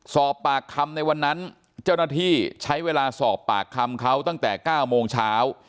สอบปากคำในวันนั้นเจ้าหน้าที่ใช้เวลาสอบปากคำเขาตั้งแต่๙โมงเช้า